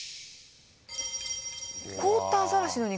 凍ったアザラシの肉？